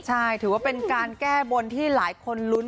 ใช่ถือว่าเป็นการแก้บนที่หลายคนลุ้น